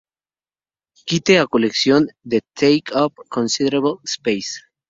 Quite a collection, they take up considerable space.